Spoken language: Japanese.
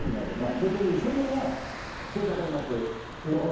そうすると一緒に切磋琢磨して成長できてるかも。